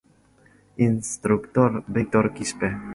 Instructor Victor Quispe.